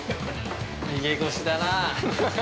◆逃げ腰だなあ。